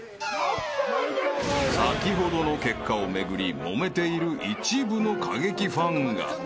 ［先ほどの結果を巡りもめている一部の過激ファンが］